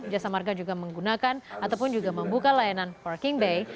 jasa marga juga menggunakan ataupun juga membuka layanan parking bay